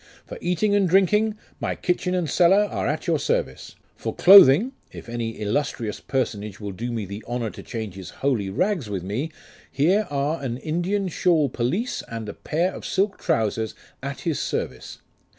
For eating and drinking, my kitchen and cellar are at your service. For clothing, if any illustrious personage will do me the honour to change his holy rags with me, here are an Indian shawl pelisse and a pair of silk trousers at his service.